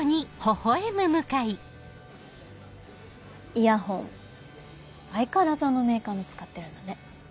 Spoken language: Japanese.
イヤホン相変わらずあのメーカーの使ってるんだね。